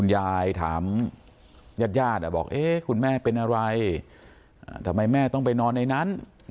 เย็ดยาดบอกเอ้ยัยคุณแม่เป็นอะไรทำไมแม่ต้องไปนอนในนั้น